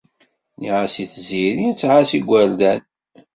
Nniɣ-as i Tiziri ad tɛass igerdan.